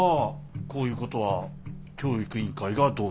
こういうことは教育委員会がどう言うか。